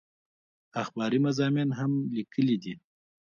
اخباري مضامين هم ليکلي دي